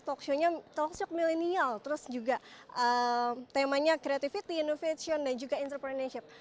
talkshow nya talkshow milenial terus juga temanya kreativitas inovasi dan juga entrepreneurship